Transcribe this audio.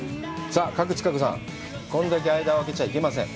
さあ賀来千香子さん、これだけ間をあけちゃいけません。